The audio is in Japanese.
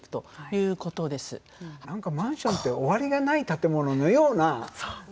何かマンションって終わりがない建物のような何かね。